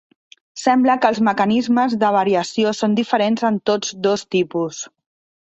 Sembla que els mecanismes de variació són diferents en tots dos tipus.